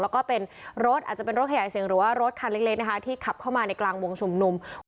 และก็อาจจะเป็นรถขยายเสียงหรือรถคันเล็กที่ขับเข้ามาในกลางวงชมนุม